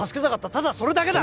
ただそれだけだ！